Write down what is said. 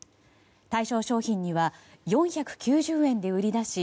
対象商品には４９０円で売り出し